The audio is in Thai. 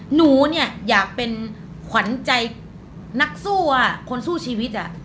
หนูเนี่ยอยากเป็นขวัญใจนักสู้คนสู้ชีวิต